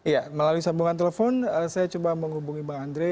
ya melalui sambungan telepon saya coba menghubungi bang andre